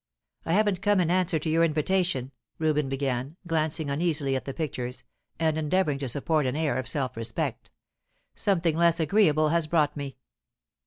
"I haven't come in answer to your invitation," Reuben began, glancing uneasily at the pictures, and endeavouring to support an air of self respect. "Something less agreeable has brought me."